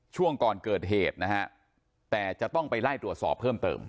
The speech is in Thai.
ช่วงก่อนเกิดเหตุนะฮะแต่จะต้องไปไล่ตรวจสอบเพิ่มเติม